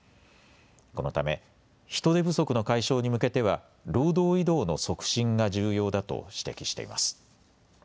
このため人手不足の解消に向けては労働移動の促進が重要だと指摘しています。